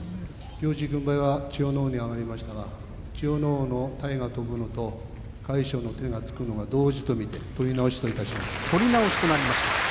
行司軍配は千代ノ皇に上がりましたが千代ノ皇の体が飛ぶのと魁勝の手がつくのが同時と見て取り直しといたします。